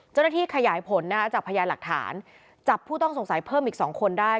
เจ้าหน้าที่ขยายผลนะคะจากพยานหลักฐานจับผู้ต้องสงสัยเพิ่มอีก๒คนได้